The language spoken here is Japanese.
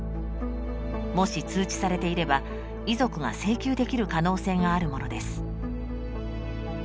もし通知されていれば遺族が請求できる可能性があるものです。